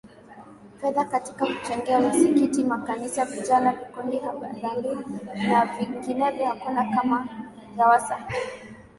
fedha katika kuchangia misikiti makanisa vijana vikundi harambee na vinginevyo hakuna kama Lowassa Hayo